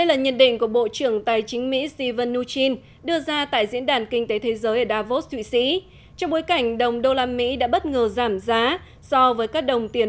ấn độ mong muốn duy trì hợp tác bền chặt với asean